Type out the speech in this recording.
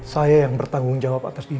saya yang bertanggung jawab atas dia